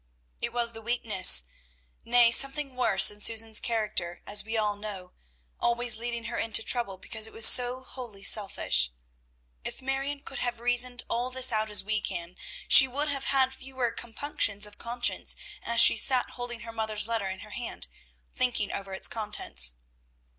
It was the weakness, nay, something worse, in Susan's character, as we all know, always leading her into trouble, because it was so wholly selfish. If Marion could have reasoned all this out as we can, she would have had fewer compunctions of conscience as she sat holding her mother's letter in her hand, thinking over its contents.